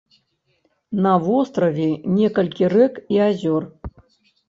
На востраве некалькі рэк і азёр.